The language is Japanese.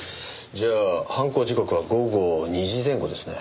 じゃあ犯行時刻は午後２時前後ですね。